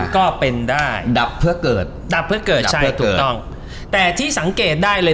ก็เป็นได้ดับเพื่อเกิดดับเพื่อเกิดใช่ถูกต้องแต่ที่สังเกตได้เลย